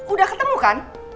udah ketemu kan